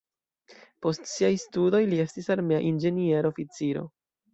Post siaj studoj li estis armea inĝeniero-oficiro.